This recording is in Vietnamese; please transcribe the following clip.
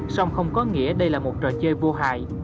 song không có nghĩa đây là một trò chơi vô hại